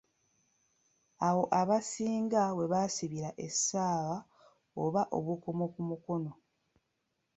Awo abasinga we basibira essaawa oba obukomo ku mukono.